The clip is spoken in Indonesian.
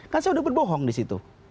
kan saya sudah berbohong disitu